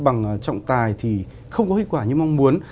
tranh chấp bằng trọng tài thì không có hiệu quả như mong muốn